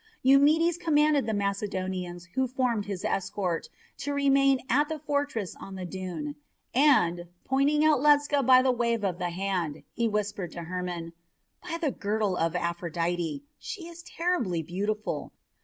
Eumedes commanded the Macedonians who formed his escort to remain at the fortress on the dune, and, pointing out Ledscha by a wave of the hand, he whispered to Hermon: "By the girdle of Aphrodite! she is terribly beautiful!